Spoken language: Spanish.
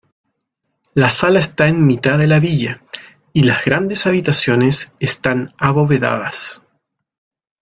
La sala está en mitad de la villa, y las grandes habitaciones están abovedadas.